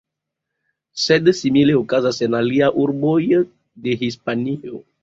Sed simile okazas en aliaj urboj de Hispanio.